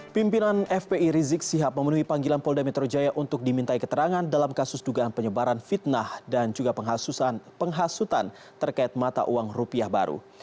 pimpinan fpi rizik sihab memenuhi panggilan polda metro jaya untuk dimintai keterangan dalam kasus dugaan penyebaran fitnah dan juga penghasutan terkait mata uang rupiah baru